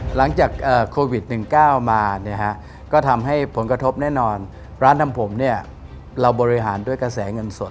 หลังจากโควิด๑๙มาเนี่ยฮะก็ทำให้ผลกระทบแน่นอนร้านทำผมเนี่ยเราบริหารด้วยกระแสเงินสด